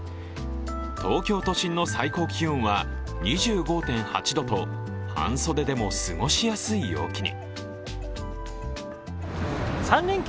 東京都心の最高気温は２５．８度と半袖でも過ごしやすい陽気に。